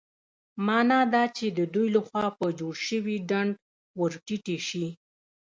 مانا دا چې د دوی له خوا په جوړ شوي ډنډ ورټيټې شي.